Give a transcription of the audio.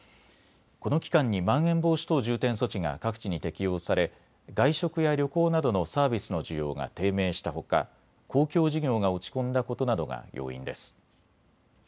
この期間にまん延防止等重点措置が各地に適用され外食や旅行などのサービスの需要が低迷したほか公共事業が落ち込んだことなどが要因です。